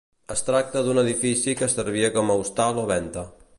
Es tracta d'un edifici que servia com a hostal o venta.